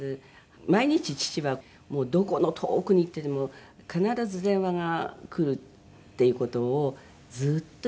毎日父はどこの遠くに行ってても必ず電話がくるっていう事をずっと一生続けてた人なので。